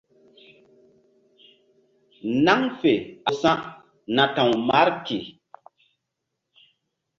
Naŋ fe a lewsa̧ na ta̧w Marki.